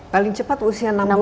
paling cepat usia enam bulan